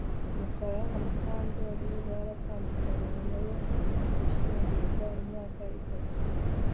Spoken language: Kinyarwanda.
Mukara na Mukandoli baratandukanye nyuma yo gushyingirwa imyaka itatu